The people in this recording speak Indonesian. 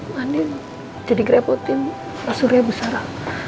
mending jadi ngerepotin pasurnya bu sara